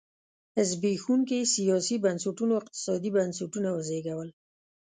زبېښونکي سیاسي بنسټونو اقتصادي بنسټونه وزېږول.